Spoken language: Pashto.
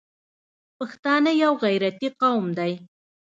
پښتانه یو غیرتي قوم دی.